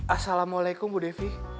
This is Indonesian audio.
assalamualaikum bu devi